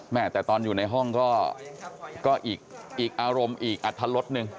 แต่ตอนอยู่ในห้องก็อีกอารมณ์อีกอัตรรสหนึ่ง